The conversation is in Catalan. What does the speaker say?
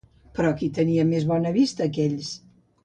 Però qui tenia més bona vista que ells?